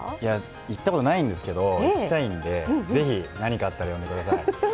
行ったことないんですけど行きたいんでぜひ何かあったら呼んでください。